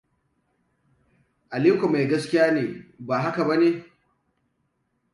Aliko mai gaskiya ne, ba haka bane?